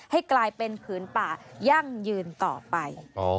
ให้กลายเป็นผืนป่ายั่งยืนต่อไป